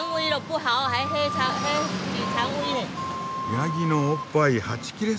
ヤギのおっぱいはち切れそう！